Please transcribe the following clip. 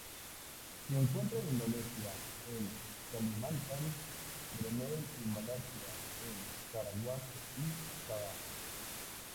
Se encuentra en Indonesia en Kalimantan, Brunei y Malasia en Sarawak y Sabah.